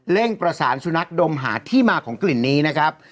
ประสานสุนัขดมหาที่มาของกลิ่นนี้นะครับ